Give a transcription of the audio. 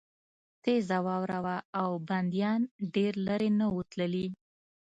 تېزه واوره وه او بندیان ډېر لېرې نه وو تللي